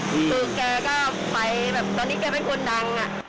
ตึกแกก็ไปตอนนี้แกไม่คุณดัง